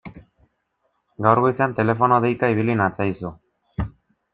Gaur goizean telefono deika ibili natzaizu.